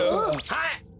はい。